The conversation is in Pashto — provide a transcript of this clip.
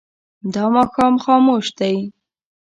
دا ماښام خاموش دی.